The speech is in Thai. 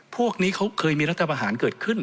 พวกนี้เขาเคยมีรัฐประหารเกิดขึ้น